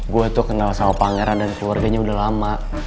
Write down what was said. gue tuh kenal sama pangeran dan keluarganya udah lama